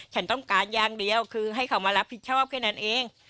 ฉันต้องการอย่างเดียวคือให้เขามารับผิดชอบแค่นั้นเอง